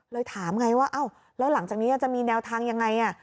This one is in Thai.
ถามไงว่าอ้าวแล้วหลังจากนี้จะมีแนวทางยังไง